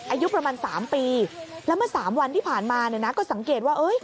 อายุประมาณ๓ปีแล้วเมื่อ๓วันที่ผ่านมาก็สังเกตว่า